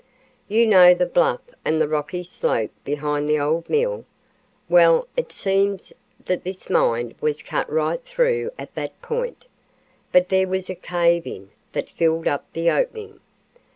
You know the bluff and the rocky slope behind the old mill. Well, it seems that this mine was cut right through at that point, but there was a cave in that filled up that opening.